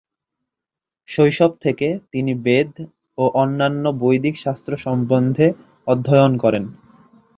শৈশব থেকে তিনি বেদ ও অন্যান্য বৈদিক শাস্ত্র সম্বন্ধে অধ্যয়ন করেন।